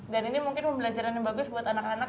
dan ini mungkin pembelajaran yang bagus buat anak anak